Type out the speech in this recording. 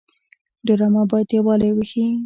ډرامه باید یووالی وښيي